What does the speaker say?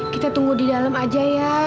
kita tunggu di dalam aja ya